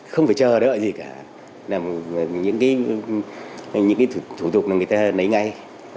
không phải chờ đợi gì cả những thủ tục là người ta lấy ngay